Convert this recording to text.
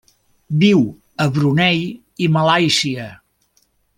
Viu a Brunei i Malàisia.